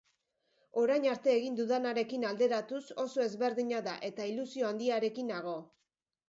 Orain arte egin dudanarekin alderatuz oso ezberdina da, eta ilusio handiarekin nago.